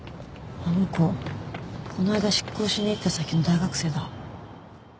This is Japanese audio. あの子この間執行しに行った先の大学生だ。